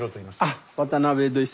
あ渡辺です。